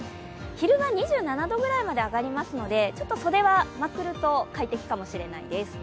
昼間、２７度くらいまで上がりますので袖はまくると快適かもしれないです。